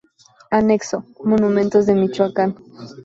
Anexo: Monumentos de Michoacán